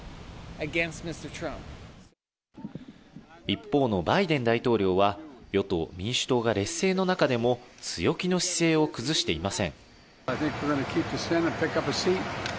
一方のバイデン大統領は、与党・民主党が劣勢の中でも、強気の姿勢を崩していません。